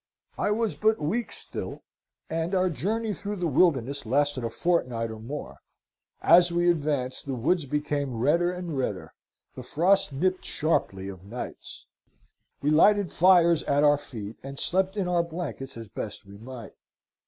"I was but weak still, and our journey through the wilderness lasted a fortnight or more. As we advanced, the woods became redder and redder. The frost nipped sharply of nights. We lighted fires at our feet, and slept in our blankets as best we might.